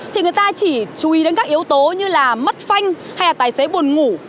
thì người ta chỉ chú ý đến các yếu tố như là mất phanh hay là tài xế buồn ngủ